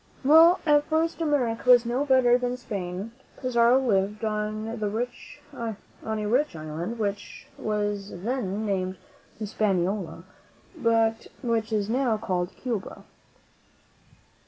Well, at first America was no better than Spain. Pizarro lived on a rich island, which was then named Hispaniola, but which is now called Cuba.